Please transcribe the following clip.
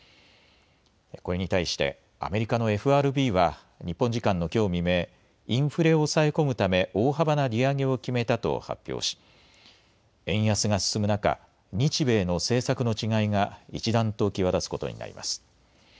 これに対してアメリカのＦＲＢは日本時間のきょう未明、インフレを抑え込むため大幅な利上げを決めたと発表し、円安が進む中、日米の政策の違いが一段と際立つことになります。